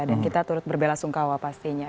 dan kita turut berbela sungkawa pastinya